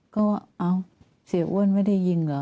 ก็ว่าเอ้าเสียอ้วนไม่ได้ยิงเหรอ